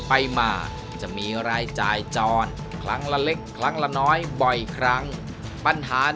ไปมาจะมีรายจ่ายจรครั้งละเล็กครั้งละน้อยบ่อยครั้งปัญหา